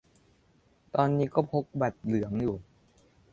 ตอนนี้พกบัตรเหลืองอยู่